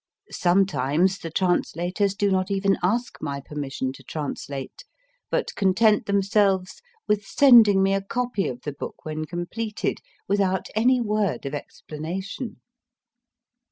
Sometimes the translators do not even ask my permission to translate, but content themselves with sending me a copy of the book when completed, without any word of explanation.